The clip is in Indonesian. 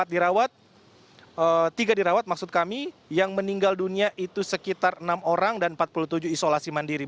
empat dirawat tiga dirawat maksud kami yang meninggal dunia itu sekitar enam orang dan empat puluh tujuh isolasi mandiri